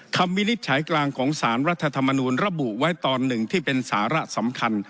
วินิจฉัยกลางของสารรัฐธรรมนูลระบุไว้ตอนหนึ่งที่เป็นสาระสำคัญ